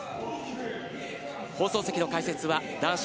放送席の解説は男子